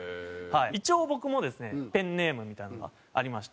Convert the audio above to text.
一応僕もですねペンネームみたいなのがありまして。